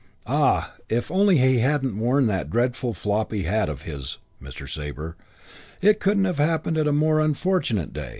"Ah, if only he hadn't worn that dreadful floppy hat of his, Mr. Sabre. It couldn't have happened on a more unfortunate day.